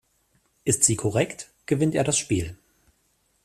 Ist sie korrekt, gewinnt er das Spiel.